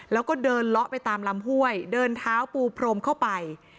แล้วก็เดินเลาะไปตามลำห้วยเดินเท้าปูพรมเข้าไป